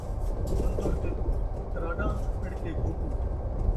بندُر تے تراݙاں، پِڑ تے گھوٹو